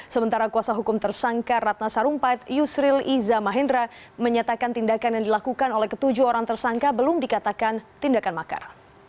sementara kuasa hukum tersangka ratna sarumpait yusril iza mahendra menyatakan tindakan yang dilakukan oleh ketujuh orang tersangka belum dikatakan tindakan makar